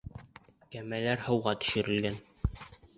Кәмәләр һыуға төшөрөлгән.